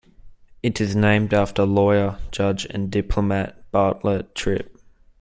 It is named after lawyer, judge, and diplomat Bartlett Tripp.